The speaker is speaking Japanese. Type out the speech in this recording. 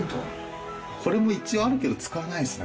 これも一応あるけど使わないんですね